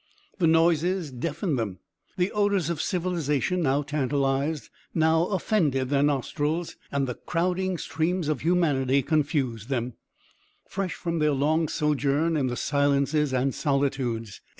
The noises deafened them, the odors of civilization now tantalized, now offended their nostrils; the crowding streams of humanity confused them, fresh from their long sojourn in the silences and solitudes.